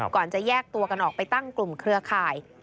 จะแยกตัวกันออกไปตั้งกลุ่มเครือข่าย